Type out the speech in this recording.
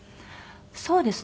そうですね